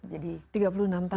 tiga puluh enam tahun